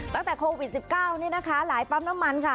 ตั้งแต่โควิด๑๙นี่นะคะหลายปั๊มน้ำมันค่ะ